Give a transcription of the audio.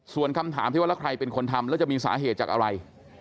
ส่วนคำถามที่ว่าแล้วใครเป็นคนทำแล้วจะมีสาเหตุจากอะไร